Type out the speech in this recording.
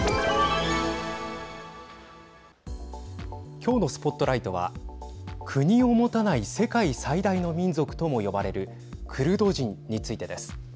今日のスポットライトは国を持たない世界最大の民族とも呼ばれるクルド人についてです。